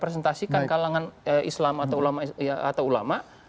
presentasikan kalangan islam atau ulama